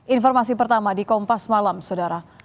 informasi pertama di kompas malam saudara